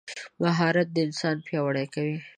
مهارت انسان پیاوړی کوي.